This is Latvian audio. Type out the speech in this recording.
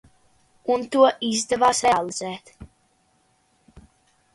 Un to izdevās realizēt.